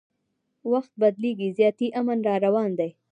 وخت بدلیږي زیاتي امن راروان دی